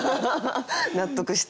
納得した。